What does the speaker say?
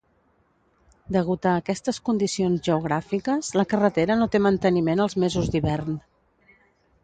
Degut a aquestes condicions geogràfiques, la carretera no té manteniment els mesos d'hivern.